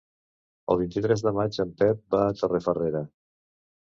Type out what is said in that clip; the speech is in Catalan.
El vint-i-tres de maig en Pep va a Torrefarrera.